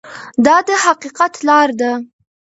دا د حقیقت لاره ده.